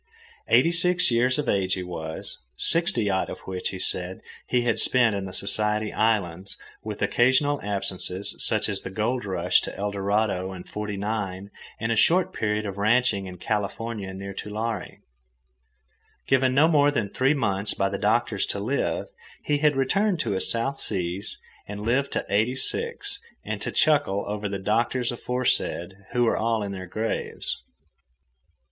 Eighty six years of age he was, sixty odd of which, he said, he had spent in the Society Islands, with occasional absences, such as the gold rush to Eldorado in 'forty nine and a short period of ranching in California near Tulare. Given no more than three months by the doctors to live, he had returned to his South Seas and lived to eighty six and to chuckle over the doctors aforesaid, who were all in their graves.